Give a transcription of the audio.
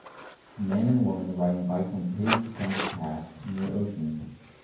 Man and woman riding bikes on paved fenced path near ocean